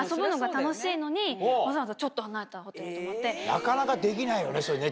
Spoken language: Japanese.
なかなかできないよねそれね。